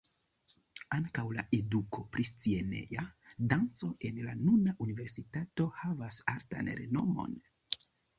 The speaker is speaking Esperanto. Ankaŭ la eduko pri sceneja danco en la nuna universitato havas altan renomon.